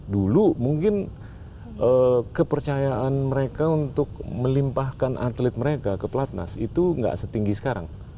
dulu mungkin kepercayaan mereka untuk melimpahkan atlet mereka ke pelatnas itu nggak setinggi sekarang